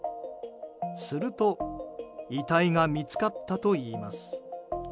すると遺体が見つかったといいます。